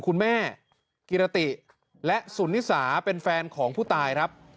คุณแม่กิรติและสุนิสาเป็นแฟนของผู้ตายครับ